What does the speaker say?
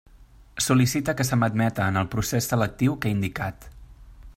Sol·licite que se m'admeta en el procés selectiu que he indicat.